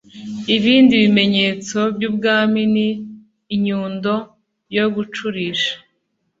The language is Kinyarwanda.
ibindi bimenyetso by'ubwami ni inyundo (yo gucurisha)